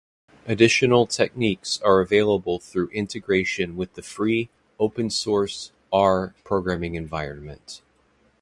Additional techniques are available through integration with the free, open source R programming environment.